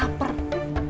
dia hampir hampir